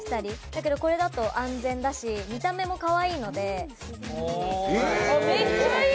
だけどこれだと安全だし見た目もかわいいので。